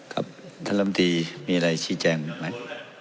ครับท่านลำตีมีอะไรชี้แจงไหม